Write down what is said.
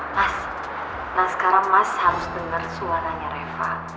mas nah sekarang mas harus denger suara nya reva